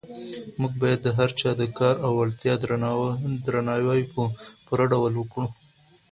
موږ باید د هر چا د کار او وړتیا درناوی په پوره ډول وکړو.